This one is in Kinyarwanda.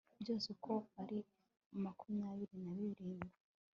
byose uko ari makumyabiri na birindwi